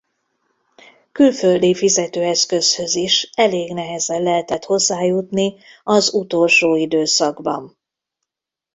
Külföldi fizetőeszközhöz is elég nehezen lehetett hozzájutni az utolsó időszakban.